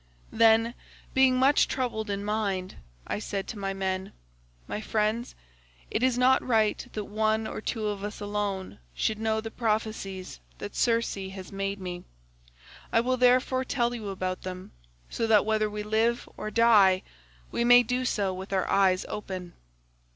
"Then, being much troubled in mind, I said to my men, 'My friends, it is not right that one or two of us alone should know the prophecies that Circe has made me, I will therefore tell you about them, so that whether we live or die we may do so with our eyes open.